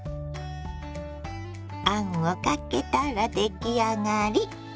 あんをかけたら出来上がり。